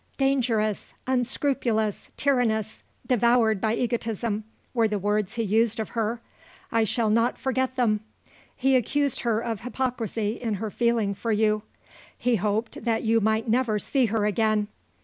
Dangerous, unscrupulous, tyrannous, devoured by egotism, were the words he used of her. I shall not forget them. He accused her of hypocrisy in her feeling for you. He hoped that you might never see her again.